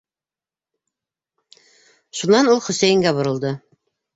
- Шунан ул Хөсәйенгә боролдо.